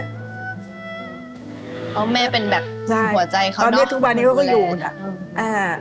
เค้าว่าแม่ต้องเป็นแบบหัวใจเค้าเนอะแน่นระยะเอ่อตอนนี้ทุกวันเหมือนก็จะอยู่น่ะ